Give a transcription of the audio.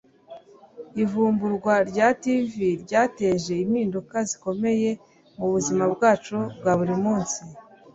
ivumburwa rya tv ryateje impinduka zikomeye mubuzima bwacu bwa buri munsi